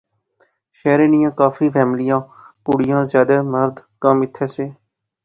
شہرے نیاں کافی فیملیاں، کڑیاں زیادے مرد کم ایتھیں سے